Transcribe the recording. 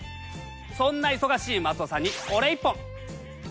そんな忙しい松尾さんにこれ１本！